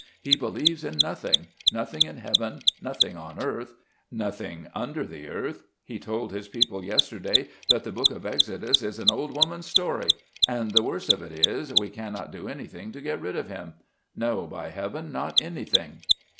He believes in nothing; nothing in heaven, nothing on earth, nothing under the earth. He told his people yesterday that the Book of Exodus is an old woman's story. And the worst of it is, we cannot do anything to get rid of him; no, by Heaven, not anything!"